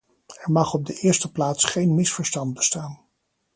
Er mag op de eerste plaats geen misverstand bestaan.